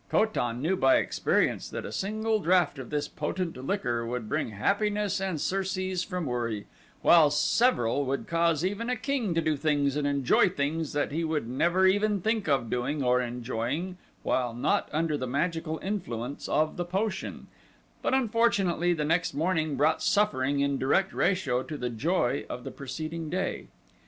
Ko tan knew by experience that a single draught of this potent liquor would bring happiness and surcease from worry, while several would cause even a king to do things and enjoy things that he would never even think of doing or enjoying while not under the magical influence of the potion, but unfortunately the next morning brought suffering in direct ratio to the joy of the preceding day.